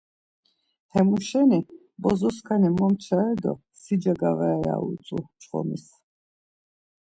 Hemuşeni bozo skani momçare do sica gavare ya utzu mç̌ǩonis.